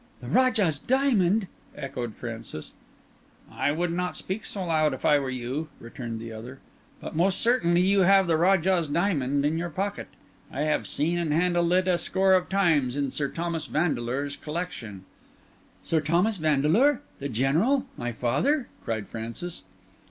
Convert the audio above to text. "The Rajah's Diamond!" echoed Francis. "I would not speak so loud, if I were you," returned the other. "But most certainly you have the Rajah's Diamond in your pocket. I have seen and handled it a score of times in Sir Thomas Vandeleur's collection." "Sir Thomas Vandeleur! The General! My father!" cried Francis.